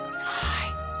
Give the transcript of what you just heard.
はい。